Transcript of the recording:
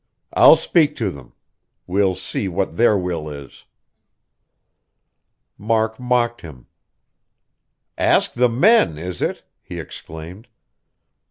"I'll speak to them. We'll see what their will is." Mark mocked him. "Ask the men, is it?" he exclaimed.